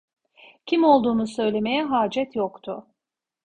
Kim olduğumu söylemeye hacet yoktu.